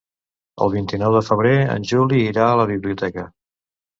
El vint-i-nou de febrer en Juli irà a la biblioteca.